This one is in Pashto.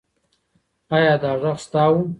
ایا دا غږ ستا و؟